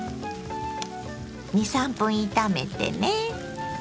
２３分炒めてね。